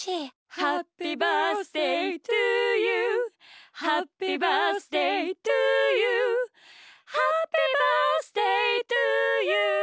「ハッピバースデートゥーユー」「ハッピバースデートゥーユーハッピバースデートゥーユー」